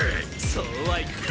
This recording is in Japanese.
そうはいくか。